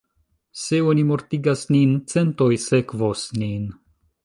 Se oni mortigas nin, centoj sekvos nin.